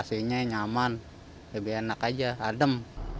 jadi ya makanya nyaman lebih enak aja adem